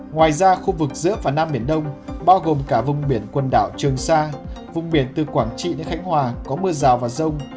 ngoài ra khu vực giữa và nam biển đông bao gồm cả vùng biển quần đảo trường sa vùng biển từ quảng trị đến khánh hòa có mưa rào và rông